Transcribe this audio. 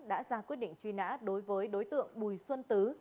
đã ra quyết định truy nã đối với đối tượng bùi xuân tứ